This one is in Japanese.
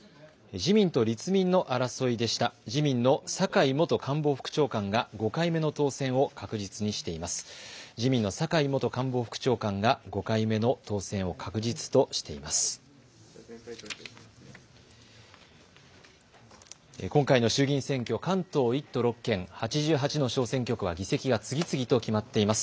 自民の坂井元官房副長官が５回目の当選を確実としています。